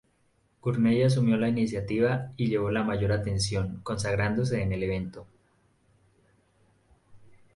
Gurney asumió la iniciativa y llevó la mayor atención consagrándose en el evento.